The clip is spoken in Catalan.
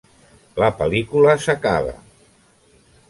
La pel·lícula s'acaba.